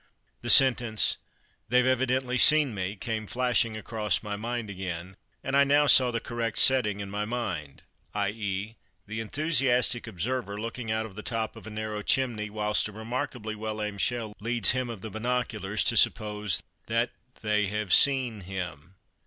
The sentence, "They've evidently seen me," came flashing across my mind again, and I now saw the correct setting in my mind: i.e., the enthusiastic observer looking out of the top of a narrow chimney, whilst a remarkably well aimed shell leads "him of the binoculars" to suppose that they have seen him.